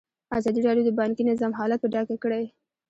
ازادي راډیو د بانکي نظام حالت په ډاګه کړی.